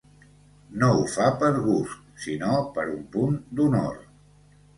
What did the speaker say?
No ho fa per gust sinó per punt d'honor.